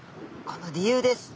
この理由です。